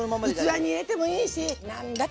器に入れてもいいし何だって平気。